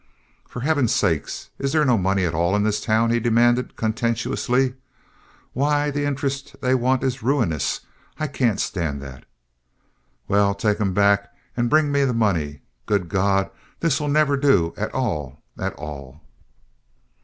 "For Heaven's sake, is there no money at all in the town?" he demanded, contentiously. "Why, the interest they want is ruinous! I can't stand that. Well, take 'em back and bring me the money. Good God, this'll never do at all, at all!"